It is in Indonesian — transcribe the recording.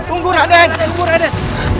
tunggu raden tunggu raden